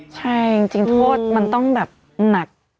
ใช่จริงโทษมันต้องแบบหนัก